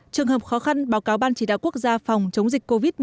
trường hợp khó khăn báo cáo ban chỉ đạo quốc gia phòng chống dịch covid một mươi chín